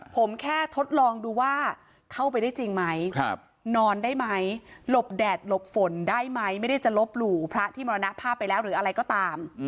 ผมแค่ทดลองดูว่าเข้าไปได้จริงไหมนอนได้ไหมหลบแดดหลบฝนได้ไหมไม่ได้จะลบหลู่พระที่มรณภาพไปแล้วหรืออะไรก็ตาม